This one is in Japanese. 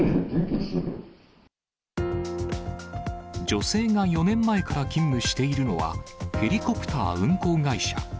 女性が４年前から勤務しているのは、ヘリコプター運航会社。